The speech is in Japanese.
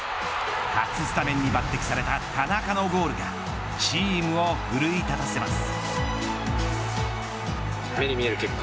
初スタメンに抜てきされた田中のゴールがチームを奮い立たせます。